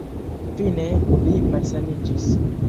Fine, li malsaniĝis.